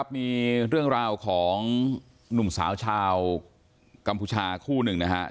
มีเรื่องราวของหนุ่มสาวชาวกัมพูชาคู่หนึ่งนะครับ